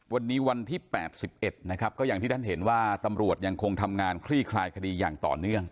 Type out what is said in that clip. วันนี้วันที่๘๑นะครับก็อย่างที่ท่านเห็นว่าตำรวจยังคงทำงานคลี่คลายคดีอย่างต่อเนื่อง